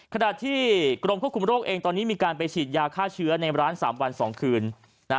ขณะที่กรมควบคุมโรคเองตอนนี้มีการไปฉีดยาฆ่าเชื้อในร้าน๓วัน๒คืน